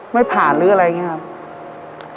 ไม่ผ่านหรืออะไรอย่างนี้ครับ